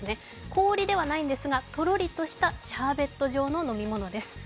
氷ではないんですがとろりとしたシャーベット状の飲み物です。